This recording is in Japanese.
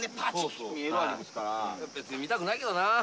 別に見たくないけどなあ。